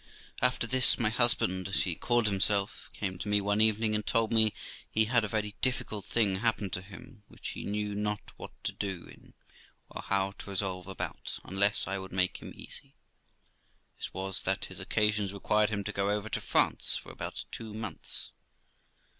After this, my husband, as he called himself, came to me one evening, and told me he had a very difficult thing happened to him, which he knew not what to do in, or how to resolve about, unless I would make him easy; this was, that his occasions required him to go over to France for about two months.